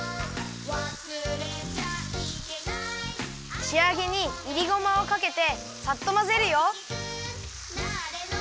「わすれちゃイケナイ」しあげにいりごまをかけてさっとまぜるよ。